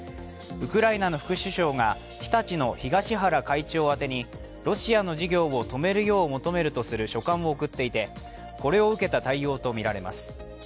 ウクライナの副首相が日立の東原会長宛にロシアの事業を止めるよう求めるとする書簡を送っていてこれを受けた対応とみられます。